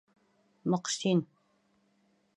— Мөҡсин!